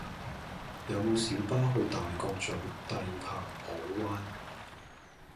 有無小巴去大角嘴帝柏海灣